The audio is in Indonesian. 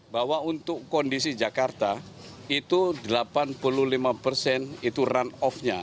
bahwa untuk kondisi jakarta itu delapan puluh lima persen itu run off nya